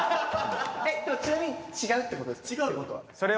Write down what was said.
ちなみに違うってことですか？